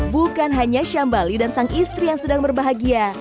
bukan hanya syambali dan sang istri yang sedang berbahagia